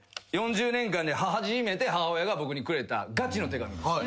４０年間で初めて母親が僕にくれたガチの手紙。